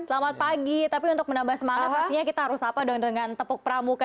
selamat pagi tapi untuk menambah semangat pastinya kita harus apa dong dengan tepuk pramuka